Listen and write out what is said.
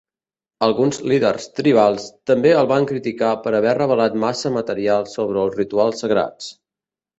Alguns líders tribals també el van criticar per haver revelat massa material sobre els rituals sagrats.